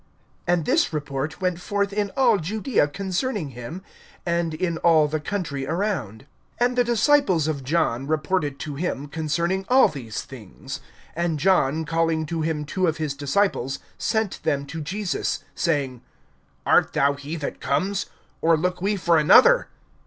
(17)And this report went forth in all Judaea concerning him, and in all the country around. (18)And the disciples of John reported to him concerning all these things. (19)And John calling to him two of his disciples sent them to Jesus, saying: Art thou he that comes, or look we for another?